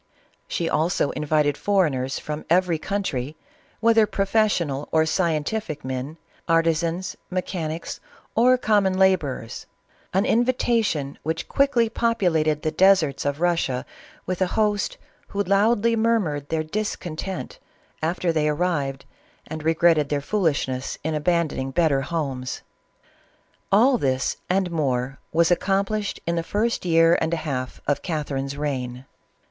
She also invited foreigners from every country, whether professional or scientific men, arti sans, mechanics, or common laborers — an invitation which quickly populated the deserts of Russia with a host who loudly murmured their discontent after they arrived, and regretted their foolishness in abandoning better homes. All this, and more, was accomplished in the first year and a half of Catherine's reign.